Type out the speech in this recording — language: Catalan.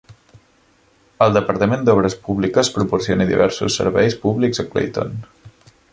El departament d'obres públiques proporciona diversos serveis públics a Clayton.